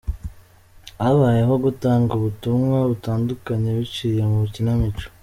Habayeho gutanga ubutumwa butandukanye biciye mu kinamico.